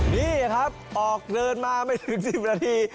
นี่ครับออกเดินมาไม่ถึง๑๐นาที